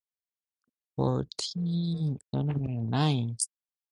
Butcherbirds live in a variety of habitats from tropical rainforest to arid shrubland.